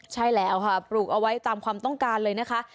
ใช่แล้วค่ะปลูกเอาไว้ตามความต้องการเลยนะคะ